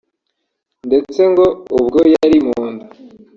ndetse ngo ubwo yari mu nda